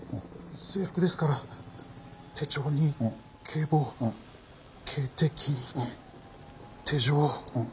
制服ですから手帳に警棒警笛に手錠。